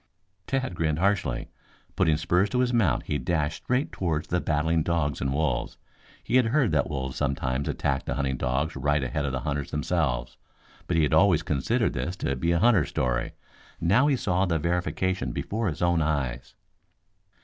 Tad grinned harshly. Putting spurs to his mount he dashed straight toward the battling dogs and wolves. He had heard that wolves sometimes attacked the hunting dogs right ahead of the hunters themselves, but he had always considered this to be a hunter's story. Now he saw the verification before his own eyes.